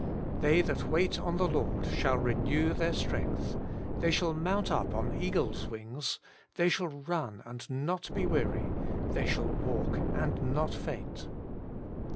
' They that wait on the Lord shall renew their strength; they shall mount up on eagles' wings ; they shall run, and not be weary ; they shall walk, and not faint.'